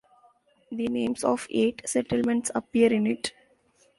The names of eight settlements appear in it.